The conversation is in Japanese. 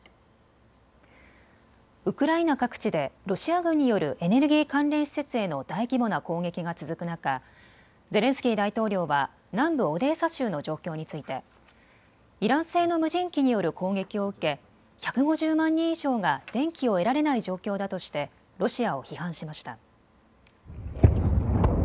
ウクライナ各地でロシア軍によるエネルギー関連施設への大規模な攻撃が続く中、ゼレンスキー大統領は南部オデーサ州の状況についてイラン製の無人機による攻撃を受け１５０万人以上が電気を得られない状況だとしてロシアを批判しました。